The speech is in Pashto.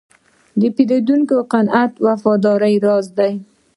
د پیرودونکي قناعت د وفادارۍ راز دی.